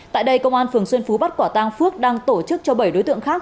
tại đây công an phường xuân phú bắt quả tang phước đang tổ chức cho bảy đối tượng khác